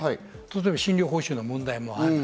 例えば診療報酬の問題もある。